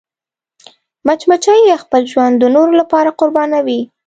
مچمچۍ خپل ژوند د نورو لپاره قربانوي